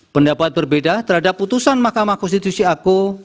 pendapat berbeda terhadap putusan mahkamah konstitusi aku